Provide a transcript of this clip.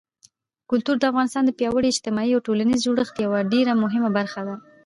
کلتور د افغانستان د پیاوړي اجتماعي او ټولنیز جوړښت یوه ډېره مهمه برخه ده.